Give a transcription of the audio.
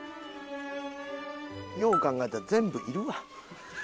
よう考えたら全部いるわ。